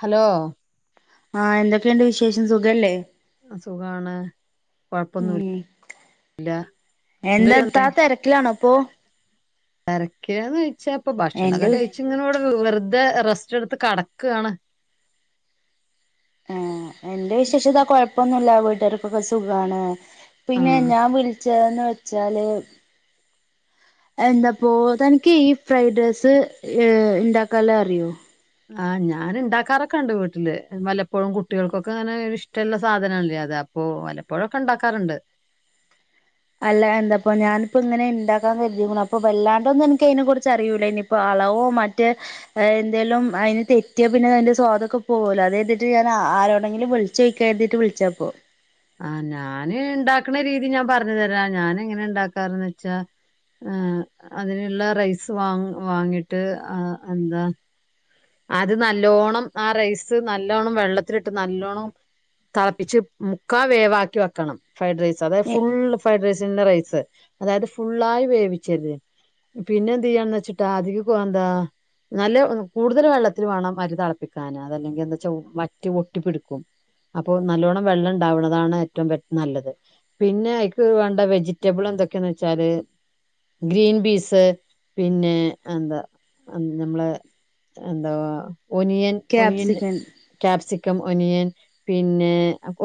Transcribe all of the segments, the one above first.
hello ആഹ എന്തൊക്കെയുണ്ട് വിശേഷം സുഖല്ലേ അ സുഖാണ് കൊഴപ്പൊന്നൂില്ല ഉം എന്താ താ തിരക്കിലാണോ അപ്പൊ തിരക്കാന്ന് കഴിച്ചാപ്പൊ ഭക്ഷണമൊക്കെ കഴിച്ച ഇങ്ങനോട് വെറ ഇത് റെസ്റ്റ് എടുത്ത് കടക്കയാണ് ആ എന്റെ വിശേഷതാ കൊഴപ്പൊന്നല്ല വീട്ടുകാർക്കൊക്കെ സുഖമാണ് പിന്നെ ആഹ് ഞാൻ വിളിച്ചതന്ന് വെച്ചാല് എന്താപ്പ തനിക്ക് ഈ ഫ്രൈഡ് റൈസ് ഏ ഇണ്ടാക്കാലോ അറിയോ ആ ഞാൻ ഉണ്ടാക്കാറൊക്കെ ഉണ്ട് വീട്ടില് വലപ്പോഴും കുട്ടികൾക്കൊക്കെ അങ്ങനെ ഇഷ്ടമുള്ള സാധനല്ലേ അത അപ്പൊ വലപ്പോഴൊക്കെ ഉണ്ടാക്കാറുണ്ട് അല്ല എന്തപ്പ ഞാനിപ്പോ ഇങ്ങനെ ഉണ്ടാക്കാൻ കരുതിക്കണം അപ്പൊ വല്ലാണ്ടൊന്നും എനക്ക് അതിനെ കുറിച്ച് അറിയൂല്ല ഇനി ഇ അളവോ മറ്റേ എന്തേലും അതിന് തെറ്റിയോ പിന്നെ അതിന്റെ സ്വാദൊക്കെ പോകലോ അത് എഴതിട്ട് ഞ ആ ആരോണെങ്കില വിളിച്ചോക്കാ ന്ന് കരുതിയട്ട് വിളിച്ചാപ്പോ ആഹ ഞാാന് ഉണ്ടാക്കണ രീതി ഞാൻ പറഞ്ഞു തരാം ഞാാന എങ്ങനെ ഇണ്ടാക്കാറ്ന്ന് വെച്ചാ ആ ഏ അതിനുള്ള റൈസ് വാ വാങ്ങിട്ട് ആ എന്താ അത് നല്ലോണം ആ റൈസ് നല്ലോണം വെള്ളത്തിലിട്ട് നല്ലോണം തിളപ്പിച്ച് മുക്കാ വേവാക്കി വെക്കണം ഫ്രൈഡ് റൈസ് അതായത് ഫുള്ള് ഫ്രൈഡ് റൈസ് ചിന്ന റൈസ് അതായത് ഫുള്ളായി വേവിച്ചത് പിന്നെ എന്ത് ചെയ്യാണന്ന് വെച്ചിട്ടാ അധിക എന്താ നല്ല കൂടുതൽ വെള്ളത്തിൽ വേണം മരു തിളപ്പിക്കാൻ അതല്ലെങ്കിൽ എന്താച്ചാ മറ്റ് ഒട്ടിപ്പിടിക്കും അപ്പൊ നല്ലോണ്ണം വെള്ളം ഉണ്ടാവുന്നതാണ് ഏറ്റവും നല്ലത് പിന്നെ എനിക്ക് വേണ്ട വെജിറ്റബിൾ എന്തൊക്കെയന്ന് വെച്ചാല് ഗ്രീൻ പീസ് പിന്നെ എന്താ നമ്മള് എന്താ ഒനിയൻ ഒനിയൻ ക്യാപ്സിക്കൻ ക്യാപ്സക് ക്കം ഒനിയൻ പിന്നെ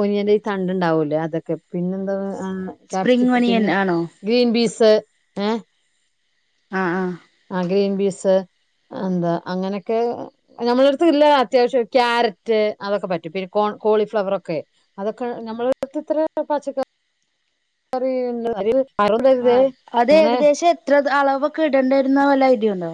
ഒനിയന്റെ ഈ തണ്ട ഉണ്ടാവൂല്ലേ അതൊക്കെ പിന്നെ എന്താ ആ സ്പ്രിംഗ് കാപ്സിക് ഒനിയൻ പിന്നെ ആണോ ഗ്രീൻ ബീസ് ഏ ആഹ് ആഹ് ആ ഗ്രീൻ ബീസ് എന്താ അങ്ങനൊക്കെ ഞമ്മളടുത്ത്ള്ള അത്യാവശ്യം ക്യാരറ്റ് അതൊക്കെ പറ്റും പിന്നെ കോ കോളിഫ്ലവർ ഒക് ക്കെ അതൊക്കെ ഞമ്മളടുത്ത് എത്ര പാച്ചക്ക റീ ഉണ്ട് അറുപത് ആ അത് അങ്ങനെ ഏകദേശം എത്ര അളവൊക്കെ ഇടേണ്ടി വരുന്ന വല്ല ഐഡിയൊണ്ടോ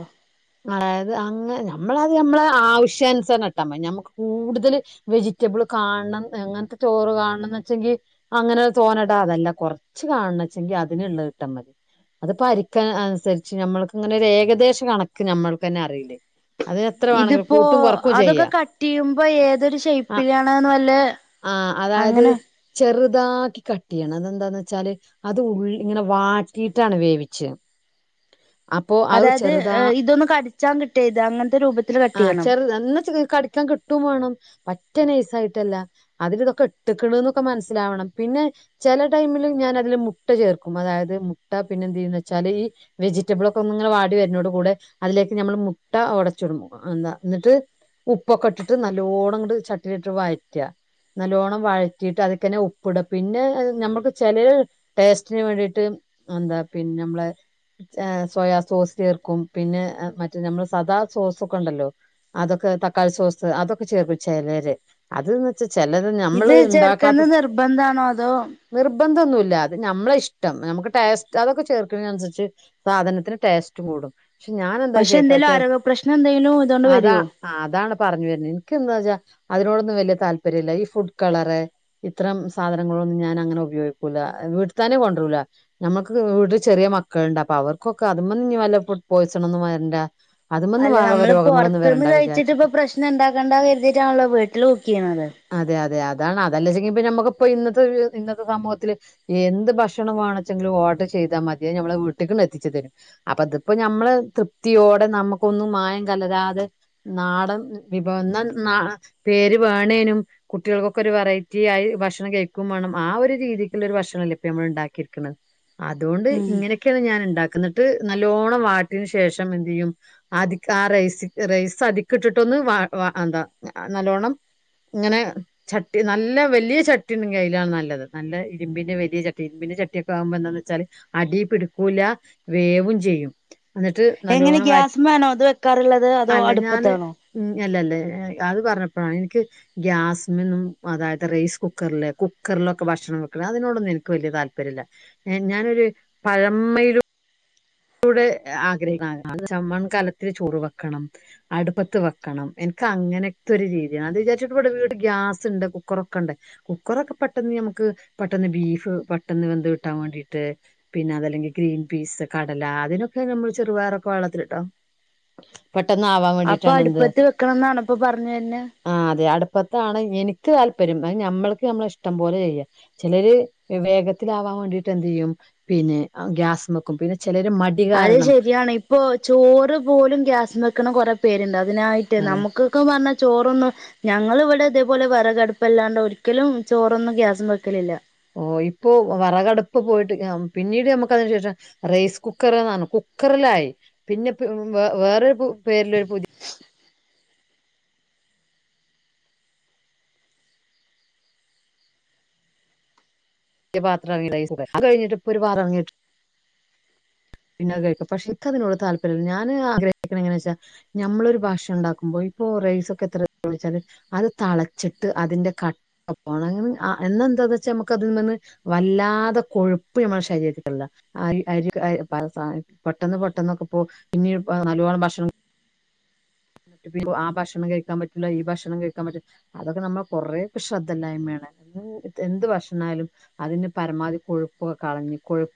അതായത് അങ്ങ നമ്മള അത് നമ്മളെ ആവശ്യാനുസരണം ഇട്ടാതി നഞമ്മക്ക് കൂടുതൽ വെജിറ്റബിൾ കാണ എങ്ങനത്തെ ചോറ് കാണണംന്ന് വെച്ചെങ്കിൽ അങ്ങനെ തോനേടാ അതല്ല കൊറച്ച് കാണ അതിനുള്ള ഇട്ട മതി അത് പ അനുസരിച്ച് നമ്മക്ക്ങ്ങനെ ഏകദേശ കണക്ക നമ്മൾക്ക് തന്നെ അറിയില്ലേ വേണെങ്കിലും ഇതിപ്പോ കൂട്ടും കൊറക്കും അതൊക്കെ ചെയ്യാ കട്ട് ചെയ്യുമ്പോ ഏതൊരു ഷേ്പ്പിലാണ് എന്ന് വെല്ല ആഹ അതായത് ചെറുത് ഇതാക്കി കട്ട് ചെയ്യണം അതെന്താന്ന് വെച്ചാല് അത് ഉള്ള ഇങ്ങനെ വാട്ടിയിട്ടാണ് വേവിിച്ച അപ്പൊ അത് അതായത് ചെറുതാ ഇതൊന്ന് കടിച്ചാൻ കിട്ടരുത് അങ്ങനത്തെ രൂപത്തിൽ കട്ട് ആ ചെയ്യണം ചെറുത് എന്നാ കടിക്കാൻ കിട്ടും വേണം ഒറ്റ നൈസ ആയിട്ടല്ല അതിൽ ഇതൊക്കെ എട്ടക്കൊക്കെ മനസ്സിലാവണം പിന്നെ ചില ടൈമിൽ ഞ മുട്ട ചേർക്കും അതായത് മുട്ട പിന്നെ എന്തന്ന് വെച്ചാല് ഈ വെജിറ്റബിൾ ഒക്കെ ങ്ങനെ വാടി വരുന്നോട് കൂടെ അതിലേക്ക് നമ്മൾ മുട്ട ഉടച്ചുടുമ്പോ എന്താ എന്നിട്ട് ഉപ്പൊക്കെ ഇട്ടിട്ട് നല്ലോണ്ണം ഇ് ചട്ടിന ഇട്ട് വഴറ്റുക നല്ലോണം വഴറ്റിയിട്ട് അതിക്കന്നെ ഉപ്പിട പിന്നെ നമ്മക്ക് ചില ടേസ്റ്റിന് വേണ്ടിയിട്ട് എന്താ പിന്നെ നമ്മള് സോയാ സോസ് ചേർക്കും പിന്നെ മറ്റേ നമ്മൾ സദാ സോസ് ഒക്കെ ഉണ്ടല്ലോ അതൊക്കെ തക്കാളി സോസ് അതൊക്കെ ചേർപ്പിച്ചല്ലേ അതന് വച്ചാ ചിലത് ഇത് നമ്മള് ഉണ്ടാക്കാത്ത ചേർക്കുന്നത് നിർബന്ധാണോ അതോ നി ബന്ധംൊന്നുമ ഇല്ല അത് നമ്മളെ ഇഷ്ടം നമുക്ക് ടേസ്റ്റ് അതൊക്കെ ചേർക്കുന്ന അനുസരിച്ച് സാധനത്തിന് ടേസ്റ്റ് കൂടും പക്ഷെ ഞാാനെന്താ പക്ഷെ ചേക്കാം എന്തേലും ച ആരോഗ്യ പ്രശ്നം എന്തെങ്കിലും ഇതുകൊണ്ട് അതാ വരുവോ അതാണ് പറഞ്ഞു വരുന്നത് എനക്ക് എന്താ വച്ചാ അതിനോടൊന്നും വലിയ താല്പര്യം ഇല്ല ഈ ഫുഡ് കളർ ഇത്തരം സാധനങ്ങളൊന്നും ഞാൻ അങ്ങനെ ഉപയോഗിക്കൂില്ല വീട്ട തന്നെ കൊണ്ടൂല നമ്മുക്ക് വീട്ടിൽ ചെറിയ മക്കളുണ്ട് അപ്പൊ അവർക്കൊക്കെ അതും ല്ല പോയിസണന്നന്ന് വരണ്ട അല്ല വേറെ നമ്മള് രോഗങ്ങളൊന്നും പുൊറത്തുന്ന് വരണ്ട കഴിച്ചിട്ട് വിചാരിച്ചിട്ട് ഇപ്പൊ പ്രശ്നം ഇണ്ടാക്കേണ്ട കരുതിീട്ടാണല്ലോ വീട്ടില് കുക്ക് ചെയ്യുന്നത് അതെ അതെ അതാണ് അതല്ലച്ചെങ്ക ഇപ്പ നമക്കിപ്പോ ഇന്നത്തെ ഇന്നത്തെ സമൂത്തില് എന്ത് ഭക്ഷണം വേണെങ്കിലും ഓട്ട് ചെയ ചെയ്താ മതിയ ഞമ്മള വീട്ടിൽും എത്തിച്ചു തരും അപ്പ അപ്പൊ നമ്മള് തൃപ്തിയോടെ നമുക്കൊന്നും മായം കലരാതെ നാടൻ വിഭവ പേര് വേണേനും കുട്ടികൾക്കൊക്കെ ഒരു വെറൈറ്റി ആയി ഭക്ഷണം കഴിക്കും വേണം ആ ഒരു രീതി ല്ല ന ഉണ്ടാക്കിരിക്കുന്നത് അതുകൊണ്ട് ഉം ഇങ്ങനെയൊക്കെയാണ് ഞാൻ ഉണ്ടാക്കുന്നിട്ട് ന ലോണം വാട്ടിനന് ശേഷം എ ചെയ്യും ആ റൈസ് അ ഇട്ടിട്ടൊന്ന് എന്താ നല്ലോണ്ണം ഇങ്ങനെ ചട്ടി നല്ല വലിയ ചട്ടിയണ്ട കയ്യിലാണ് നല്ലത് നല്ല ഇരുമ്പിന് വലിയ ചട്ടി ഇരുമ്പി ചട്ടിയൊക്കെ ആകുമ്പോ എന്താന്ന് വെച്ചാല് അടി പിടിക്കൂല വേവും ചെയ്യും എന്നിട്ട് എങ്ങനെ നല്ലവോണം വ ഗ്യാസ്മേണോ ഇത് വെക്കാറുള്ളത് അതോ അല്ല ഞാാന് അടുപ്പത്താണോ ഉ അല്ല അല്ലേ അത് പറഞ്ഞപ്പോഴാണ് എനിക്ക് ഗ്യാസി നിന്നും അതായത് റൈസ് കുക്കറിലേ കുക്കർ ൊെ ഭക്ഷണം വെക്ക അതിനോടൊന്നും എനിക്ക് വലിയ താല്പര്യമല്ല ഞാനൊരു പഴമയിലും ആഗ്രഹ ചമ്മൺ കാലത്തിൽ ചോറ് വെക്കണം അടുപ്പത്ത് വെക്കണം എ അങ്ങനത്തെ ഒരു രീതിയാണ് അത് വിചാരിച്ചിട്ട ഇവിടെ വീട്ടട് ഗ്യാസ് ഉണ്ട് കുക്കറൊക്കെ ഉണ്ട് കുക്കറൊക്കെ പെട്ടെന്ന് നമുക്ക് െ ബഫ പെട്ടന്ന് വ കട്ടാൻ വേണ്ടീട്ട് പിന്നെ അതല്ലെങ്കിൽ ഗ്രീൻ പീ കടല അതിനൊക്കെ നമ്മൾ ചെറുപയറൊക്കെ വെള്ളത്തിലിട്ടോ പെട്ട ആവാൻ അപ്പൊ വേണ്ടിട്ടാണ് എന്ത് അടുപ്പത്ത് വെക്കണംന്നാണ് ഇപ്പൊ പറഞ്ഞു വരുന്നെ ആ അത ഇപ്പത്താണ് എനിക്ക് താല്പര്യം അ നഞമ്മൾക്ക് നമ്മള ഇഷ്ടം പോലെ ചെയ്യുക ചിലര് വിവേകത്തിലാവാ ് എന്ത് ചെയ്യും പിന്നെ ഗ്യാക്കും പിന്ന അത് ശരിയാണ് ഇപ്പൊ ചോറ് പോലും ഗ്യാസ് വെക്കണം കൊറെ പേരുണ്ട് അ അതിനായിട്ട് അതെ നമുക്കൊക്കെ പറഞ്ഞ ചോറൊന്നും ഞങ്ങൾ ഇവിടെ ഇതേപോലെ വിറകടുപ്പല്ലാണ്ട് ഒരിക്കലും ചോറൊന്നും ഗ്യാസും വയ്ക്കലില്ല ഓ ഇപ്പോൊ വറകടുപ്പ് പോയിട്ട് പിന്നീട് നമുക്ക് അതിനു ശേഷം റൈസ് കുക്കറെ എന്നാണ് റലായി പിന്നെ വ വേറൊരു പേരിലൊരു പുതിയ പത്ര അ കഴിഞ്ഞിട്ട് ഇപ്പൊ ഒരു പാറങ്ങി പിന്നോെ കഴിക്കാം പക്ഷെ എനിക്ക അതിനോട് താല്പര്യമില്ല ഞാൻ ആഗ്രഹിക്കണ എങ്ങനാ വെച്ചാൽ നമ്മൊ ഒരു ഭാഷയ ഉണ്ടാക്കുമ്പോ ഓ റൈസ ഒക്കെ എത്രിച്ചാല് അത് തളച്ചിട്ട് അതിന്റെ കട്ട പോണം വച്ച നമ്മുക്ക് അതിൽ നിന്ന് വല്ലാതെ കൊഴുപ്പ് നമ്മളെ ശരീരത്തിൽ പെട്ടെന്ന് പെട്ടെന്ന് എന്നൊക്കെപ്പോ പിന്നീ നല്ലവോണം ഭക്ഷണം എന്നിട്ട് ആ ഭക്ഷണം കഴിക്കാൻ പറ്റില്ല ഈ ഭക്ഷണം കഴിക്കാൻ പറ്റൂല്ല അതൊക്കെ നമ്മളെ കൊറേൊക്കെ ശ്രദ്ധയില്ലായ്മ എന്ത് ഭക്ഷണാലും അതിന് പരമാവധി കൊഴുപ്പൊക്കെ കളഞ്ഞു കൊഴുപ്പ്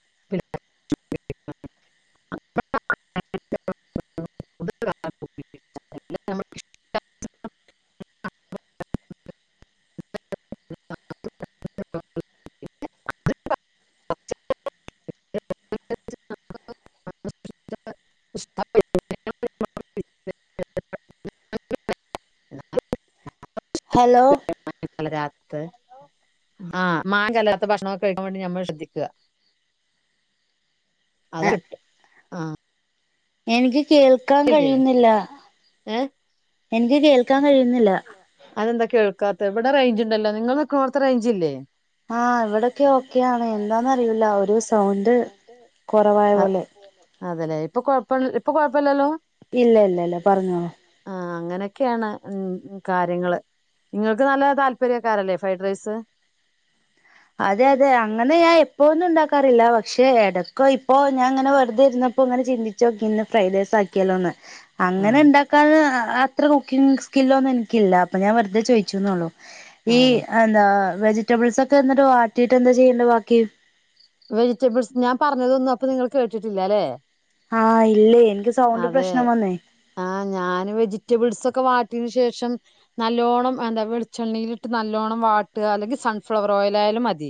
സ് ഹ് ഹ് മ് നമുക്ക് ഇഷ്ടപ്പെട്ട ഭക്ഷണം ആ ആ മ് വ് ഹലോ പല രാത് ആഹ് മാങ്ങ ചല്ലാത്ത ഭക്ഷണൊക്കെ കഴിക്കാൻ വേണ്ടി നഞ്ഞമ്മൾ ശ്രദ്ധിക്കുക അതട്ട് ആഹ് എനിക്ക് കേൾക്കാൻ കഴിയുന്നില്ല ഏ എനിക്ക് കേൾക്കാൻ കഴിയുന്നില്ല കേൾക്കാത്ത എവിടെ റേഞ്ച് ഉണ്ടല്ലോ നിങ്ങൾ നക്കും നോട്ത്ത് റേഞ്ചില്ലേ ആഹ് ഇവിടൊക്കെ ആവിടെക്കക്ക ഓക്കെയാണ് എന്താലും എന്താന്നറിയൂല ഒരു സൗണ്ട് വടത്തെ കൊണ്ട് കുറവായ പോലെ അതല്ലേ ഇപ്പൊ കൊഴപ്പം ഇപ്പൊ കൊഴപ്പമില്ലല്ലോ ഇല്ല ഇല്ല ഇല്ല പറഞ്ഞോ അങ്ങനൊക്കെയാണ് ഉ കാര്യങ്ങൾ നിങ്ങൾക്ക് നല്ല താല്പര്യക്കാരല്ലേ ഫ്രൈഡ് റൈസ് അതെ അതെ അങ്ങനെ ഞാൻ എപ്പോ ഒന്നും ഉണ്ടാക്കാ ക്കാറില്ല പക്ഷെ ഇടക്ക് ഇപ്പോ ഞാൻ ഇങ്ങനെ വെറുതെരുന്നപ്പോ ഇങ്ങനെ ചിന്തച്ച് നോക്കി ഇന്ന് ഫ്രൈഡ് റൈസ് ആക്കിയാലോന്ന് അങ്ങനെ ആഹ് ഉണ്ടാക്കാൻ അത്ര കുക്കിംഗ് സ്കില്ലൊന്നും എനിക്കില്ല അപ്പൊ ഞാൻ വെറുതെ ചോയിച്ചുന്നള്ളു ഈ അതെല്ലെ എന്താ വെജിറ്റബിൾസ് ഒക്കെ എന്നിട്ട് വാട്ടിയിട്ട് എന്താ ചെയ്യണ്ട ബാക്കി വെജിറ്റബിൾസ് ഞാൻ പറഞ്ഞതൊന്നും അപ്പൊ നിങ്ങൾ കേട്ടിട്ടില്ല അല്ലെ ആഹ് ഇല്ലേ എനിക്ക് സൗണ്ട് അതെ പ്രശ്നം വന്നേ ആഹ് ഞാൻ വെജിറ്റബിൾസ് ഒക്കെ വാട്ടിയതിന് ശേഷം നല്ലോണ്ണം എന്താ വെളിച്ചെണ്ണയിലിട്ട് നല്ലോണ്ണം വാട്ടുക അല്ലെങ്കിൽ സൺഫ്ലവർ ഓയിൽ ഓയിൽ ആയാലും മതി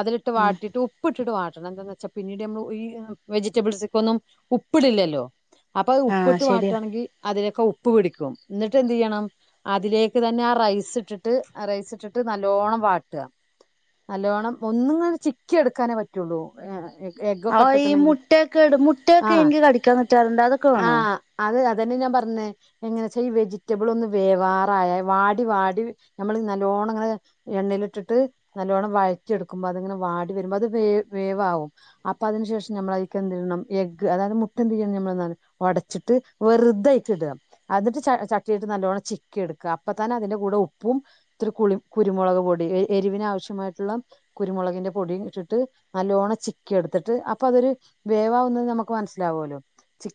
അതിലിട്ട്ട്ട് ആ വാട്ടിട്ട് ഉപ്പ് ഉപ്പ് ഇട്ടിട്ട് വാട്ടണം എന്താന്ന് വെച്ചാ പിന്നീട് നമ്മൾ ഈ വെജിറ്റബിൾസ ഒക്ക ഒന്നും ഉപ്പിടില്ലല്ലോ അപ്പൊ അത് ആഹ് ഉപ്പിട്ട് ശരിയാ വാട്ടുകയാണെങ്കിൽ അതിലേക്കെ ഉപ്പ് പിടിക്കും എന്നിട്ട് എന്ത് ചെയ്യണം അതിലേക്ക് തന്നെ ആ റൈസ് ഇട്ടിട്ട് റൈസ് ഇട്ടിട്ട് നല്ലോണ്ണം വാട്ട നല്ലോണ്ണം ഒന്ന് ഇങ്ങനെ ചിക്കി എടുക്കാനേ പറ്റുള്ളൂ ആ എഗ്ഗൊക്കെ ഈ ഇട്ടക്കണമെങ്കിൽ മുട്ടയൊക്കെ ഇടും മുട്ടയൊക്കെ ആഹ് എനിക്ക് കടിക്കാൻ കിട്ടാറുണ്ട് അതൊക്കെ വേണോ ആഹ് ഉം അത് അന്നെ ഞാൻ പറഞ്ഞ എങ്ങനെച്ച ഈ വെജിറ്റബിൾ ഒന്ന് വേവാറ വാടി വാടി നമ്മൾ നല്ലോണം ഇങ്ങനെ എണ്ണയിൽ ഇട്ടിട്ട് നല്ലോണം വഴറ്റി എടുക്കുമ്പോൾ അത് ഇങ്ങനെ വാടി വരണം വേവാവും അപ്പേ അതിനു ശേഷം നമ്മൾ എന്തിട്ടണം എഗ് അതായത് മുട്ട എന്തി്യണം നമ്മൾ ഒടച്ചിട്ട് വെറുതായിക്കി ഇടുക അത് ഇട്ട് ചട്ടിട്ട് നല്ലവോണ്ണം ചിക്കി എടുക്കുക അപ്പ തന്നെ അതിന്റെ കൂടെ ഉപ്പും ഇത്തിരി കുളി കുരുമുക് പൊടി എരിവിന് ആവശ്യമായിട്ടുള്ള കുരുമുളകിന്റെ പൊടി നല്ലോണം ചിക്കി എടുത്തിട്ട് അപ്പൊ അതൊരു വേവവുന്ന നമ്മുക്ക് മനസിലാവല്ലോ ചി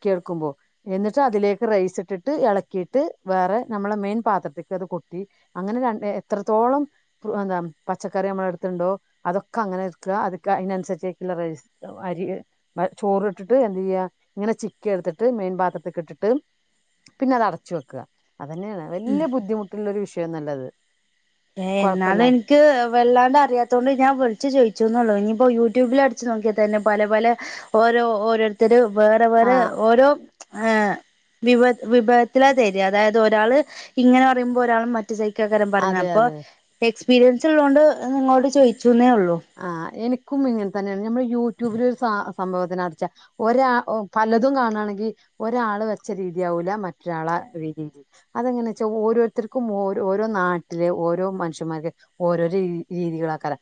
എന്നിട്ട് അതിലേക്ക് റൈസ് ഇട്ടിട്ട് ഇളക്കിയിട്ട് വേറെ നമ്മളെ മെയിൻ പാത്രത്തിലേക്ക് കൊട അങ്ങനെ എത്രത്തോളം എന്താ പച്ചക്കറി നമ്മളെ എടുത്തിട്ടുണ്ടോ അതൊക്കെ അങ്ങനെ അക്കെ അതിനനുസരിച്ചുള്ള റൈസ് അരി ചോറ് ഇട്ടിട്ട് എന്ത്തു ചെയ്യ ഇങ്ങനെ ചിക്ക ത്തിട്ട് മീൻ പാത്രത്തിൽക്ക് ഇട്ടിട്ട് പിന്നെ അത് അടച്ച് വെക്കുക അതന്നെയാണ് വലിയ ബുദ്ധിമുട്ടുള്ള ഒരു വിഷയം ഒന്നും അല്ലത് ഏ എന്നാലും എനിക്ക് വെള്ളാണ്ട് അറിയാത്തോണ്ട് ഞാൻ വിളിച്ചു ചോയിച്ചു ഇനിയിപ്പോ യൂട്യൂബിൽ അടിച്ചു നോക്കിയാൽ തന്നെ പല പല ഓരോ ഓരോരുത്തർ വേറെ ആ വേറെ ഓരോ ഏഹ വിഭ വിഭവത്തിലാ തര് അതായത് ഒരാള് ഇങ്ങനെ പറയുമ്പോൾ ഒരാൾ മറ്റു സഹിക്കക്കാരം അതെ പറയുന്നത് അതെ അപ്പൊ എക്സ്പീരിയൻസ് ഉള്ളോണ്ട് നിങ്ങളോട് ചോയിച്ചന്നേ ഉള്ളു ക്കും ഇങ്ങനെ തന്നെയാണ് നമ്മൾ യൂട്യൂബിലൊരു സാ സംഭവത്തിന്റിച്ച ഒ പലതും കാണയാണെങ്കിൽ ഒരാൾ വെച്ച രീതിയാവൂല മറ്റൊരാള അതെങ്ങ വെച്ചാ ഓരോരുർക്കും ഓരോ നാട്ടിലെ ഓരോ മനുഷ്യമാർക്ക്ഓരോ ഓ രീതികളക്ക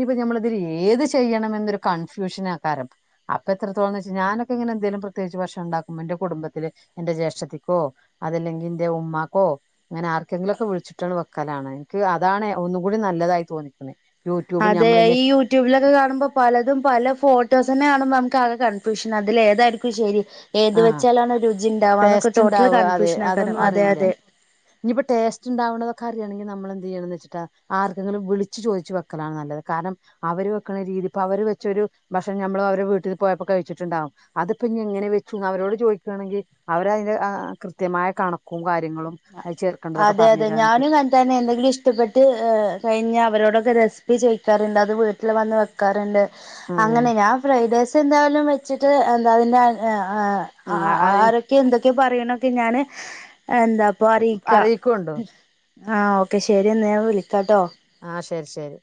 നിപ്പ നമ്മള ഇതി ഏത് ചെയ്യണം എന്നൊരു കൺഫ്യൂഷനാക്കാരം അപ്പ എത്രത്തോള വെ ഞാനൊക്കെെ എലും പ്രത്യേകിച്ച് വർഷം ഉണ്ടാക്കുമ്പോ എന്റെ കുടുംബത്തില് എന്റെ ജേഷഠത്തിക്കോ അതല്ലെങ്കി എന്റെ ഉമ്മാക്കോ അങ്ങനെ ആർക്കെങ്കിലുംൊക്കെ വിളിച്ചിട്ടാണ് വെക്കലാണ് എനിക്ക് അതാണ് ഒന്നുകൂടി നല്ലതായി തോന്നിക്കുന്നത് യൂട്യൂബ് അതെ ഞമ്മളിനി ഈ യൂട്യൂബിലൊക്കെ കാണുമ്പോ പലതും പല ഫോട്ടോസ് തന്നെ കാണുമ്പോ കൺഫ്യൂഷൻ അതിൽ ഏതായിരിക്കും ശരി ഏത് ആഹ് വെച്ചാലാണ് രുചി ഉണ്ടാവാക എന്നൊക്കെ ടേസ്റ്റ് ടോട്ടൽ കൺഫ്യൂഷൻ ആക്കണം അതെ അതെ ഇനിയിപ്പ ടേസ്റ്റ്ണ്ടാവുന്നതക്കെ ണെങ്കിൽ നമ്മൾ എന്ത് ചെയ്യണന്ന് വച്ചിട്ട ആക്കെങ്കിലും വിളിച്ചു ചോദച്ച് വെക്കലാണ് നല്ലത് കാരണം അവര് വെക്കണീതി ഇപ്പോ അവര് വെച്ച ഒരു ഭക്ഷണം ഞമ്മള് അവരെ വീട്ടിൽ പോയപ്പോ കഴിച്ചിട്ടുണ്ടാവും അതിപ്പ ഇനിങ്ങനെ അവരോട് ചോദിക്കുകയാണെങ്കിൽ അവരതിന്റെ കൃത്യമായ കണക്കും കാര്യ അതെ അതെ ഞാനും അനത്തന്നെ എന്തെങ്കിലും ഇഷ്ടപ്പെട്ട് ഏ കഴിഞ്ഞ അവരോടൊ സിപ്പി ചോക്കാറുണ്ട് അത് വീട്ടിൽ വന്ന് വെക്കാറുണ്ട് അതെ അങ്ങനെ ഞാ ഫ്രഡ് [unintelligible] എന്തായാലും വെച്ചിട്ട് എന്താ ആ ആരൊക്കെ എന്തൊ ക്കെ പറയണൊക്കെ ഞാന് എന്താപ്പൊ അറിയിക്ക അറിയിക്കുണ്ടോ ആഹ ഓക്കെ ശെരി എന്ന ഞാൻ വിളിക്കാട്ടോ.. ആ ശരി ശരി..